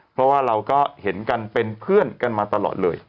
เพราะว่าเราก็เห็นกันเป็นเพื่อนกันมาตลอดเลย